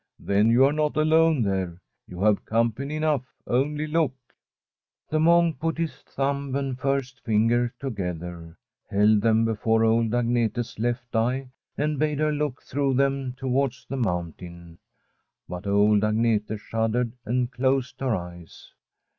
Then you are not alone there ; you have company enough. Only look 1 ' The monk put his thumb and first finger to gether, held them before old Agnete's left eye, and bade her look through them towards the mountain. But old Agnete shuddered and closed her eyes.